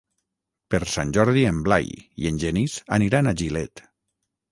Per Sant Jordi en Blai i en Genís aniran a Gilet.